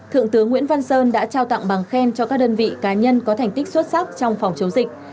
thượng tướng nguyễn văn sơn đã trao tặng bằng khen cho các đơn vị cá nhân có thành tích xuất sắc trong phòng chống dịch